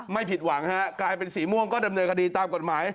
ไม่ผิดหวังฮะกลายเป็นสีม่วงก็ดำเนินคดีตามกฎหมาย